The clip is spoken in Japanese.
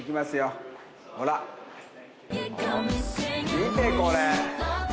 見てこれ。